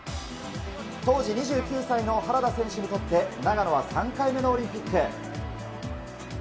当時２９歳の原田選手にとって、長野は３回目のオリンピック。